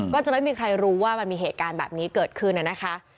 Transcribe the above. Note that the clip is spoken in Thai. ก็จะไม่มีใครรู้ว่ามันมีเหตุการณ์แบบนี้เกิดขึ้นนะคะ